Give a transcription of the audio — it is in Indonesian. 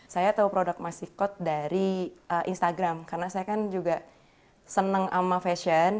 saya tahu produk masikot dari instagram karena saya kan juga senang sama fashion